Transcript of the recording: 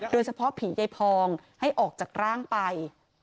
โดยเฉพาะผียายพองให้ออกจากร่างไป